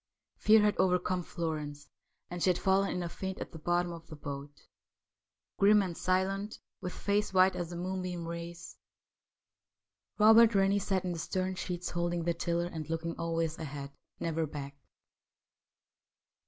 Fear had overcome Florence, and she had fallen in a faint at the bottom of the boat. Grim and silent, with face white as the moonbeam rays, Robert Rennie sat in the stern sheets holding the tiller and looking always ahead, never back.